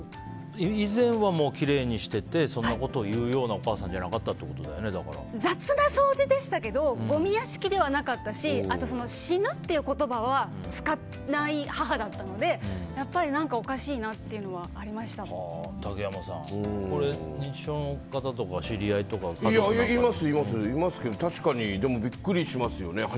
以前は、きれいにしててそんなことをいうようなお母さんじゃ雑な掃除でしたけどごみ屋敷ではなかったし死ぬという言葉は使わない母だったのでやっぱり何かおかしいな竹山さん、認知症の方とかいます、いますけど確かにビックリしますよね。